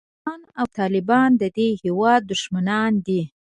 پاکستان او طالبان د دې هېواد دښمنان دي.